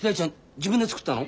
自分で作ったの？